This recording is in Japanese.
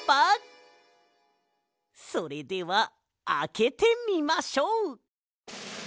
それではあけてみましょう！